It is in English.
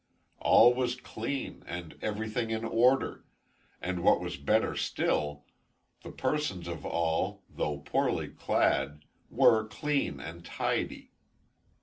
All was clean, and everything in order; and, what was better still, the persons of all, though poorly clad, were clean and tidy.